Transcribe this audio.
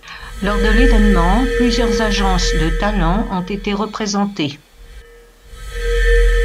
Lors de l'événement, plusieurs agences de talent ont été représentées.